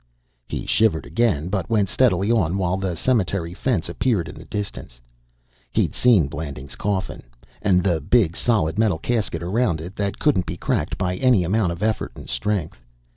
He shivered again, but went steadily on while the cemetery fence appeared in the distance. He'd seen Blanding's coffin and the big, solid metal casket around it that couldn't be cracked by any amount of effort and strength.